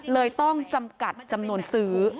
เลยต้องจำกัดจำนวนซื้อ